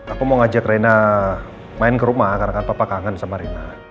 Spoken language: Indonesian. aku mau ngajak rena main ke rumah karena kan papa kangen sama rina